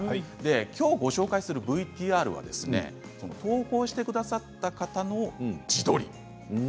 きょうご紹介するＶＴＲは投稿してくださった方の自撮り。